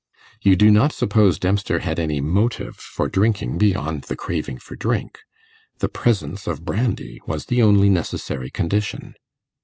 You do not suppose Dempster had any motive for drinking beyond the craving for drink; the presence of brandy was the only necessary condition.